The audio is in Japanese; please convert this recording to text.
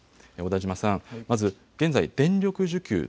小田島さん、まず現在、電力需給